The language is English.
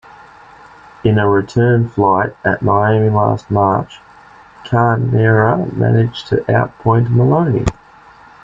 In a return fight, at Miami last March, Carnera managed to outpoint Maloney.